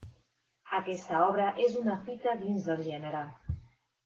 Aquesta obra és una fita dins del gènere.